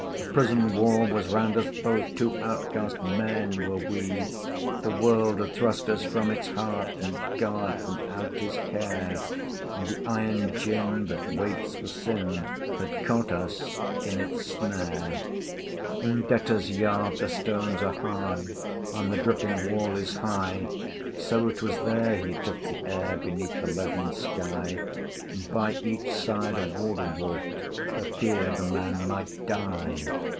A prison wall was round us both, Two outcast men were we: The world had thrust us from its heart, And God from out His care: And the iron gin that waits for Sin Had caught us in its snare. In Debtors' Yard the stones are hard, And the dripping wall is high, So it was there he took the air Beneath the leaden sky, And by each side a Warder walked, For fear the man might die.